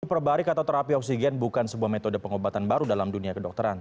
hiperbarik atau terapi oksigen bukan sebuah metode pengobatan baru dalam dunia kedokteran